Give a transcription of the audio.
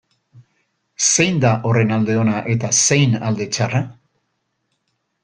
Zein da horren alde ona eta zein alde txarra?